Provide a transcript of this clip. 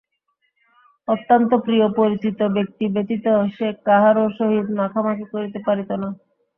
অত্যন্ত প্রিয় পরিচিত ব্যক্তি ব্যতীত সে কাহারো সহিত মাখামাখি করিতে পারিত না।